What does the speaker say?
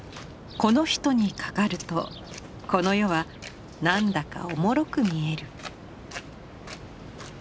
この人にかかるとこの世は何だかおもろく見える。